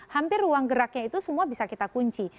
hampir ruang geraknya itu semua bisa kita kunci